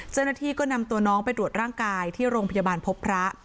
เจ้าหน้าที่ก็นำตัวน้องไปตรวจร่างกายที่โรงพยาบาลพบพระ